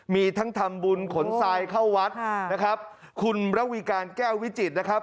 มีทั้งทำบุญขนทรายเข้าวัดนะครับคุณระวีการแก้ววิจิตรนะครับ